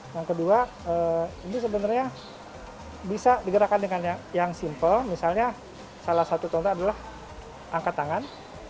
yang kedua ini sebenarnya bisa digerakkan dengan yang simpel misalnya salah satu contoh adalah angkat tangan